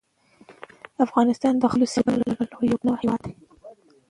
افغانستان د خپلو سیلابونو له پلوه یو متنوع هېواد دی.